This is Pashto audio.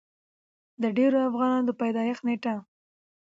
د ډېرو افغانانو د پېدايښت نيټه